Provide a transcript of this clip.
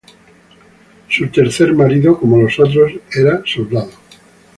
Su tercer marido, como los otros, era soldado.